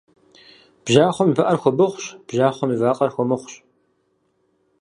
Бжьахъуэм и пыӏэр хуэбыхъущ, бжьахъуэм и вакъэр хуэмыхъущ.